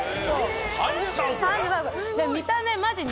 見た目マジ。